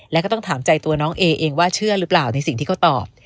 แล้วก็ต้องถามใจตัวน้องเอเองว่าเชื่อหรือเปล่าในสิ่งที่เขาตอบ